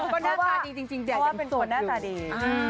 เพราะว่าเป็นคนหน้าตาดี